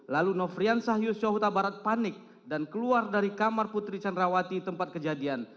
lalu nofrian sahius syahuta barat panik dan keluar dari kamar putri candrawati tempat kejadian